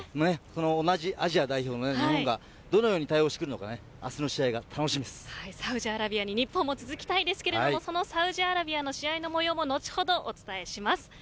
同じアジア代表の日本がどのように対応してくるのかサウジアラビアに日本も続きたいですがそのサウジアラビアの試合の模様も後ほどお伝えします。